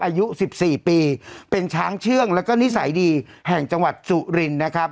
อายุ๑๔ปีเป็นช้างเชื่องแล้วก็นิสัยดีแห่งจังหวัดสุรินนะครับ